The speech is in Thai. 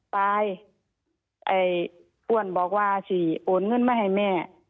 ตายไอ้อ้วนบอกว่าสิโอนเงินมาให้แม่